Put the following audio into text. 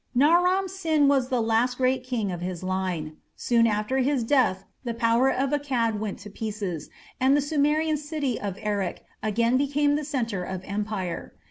Naram Sin was the last great king of his line. Soon after his death the power of Akkad went to pieces, and the Sumerian city of Erech again became the centre of empire.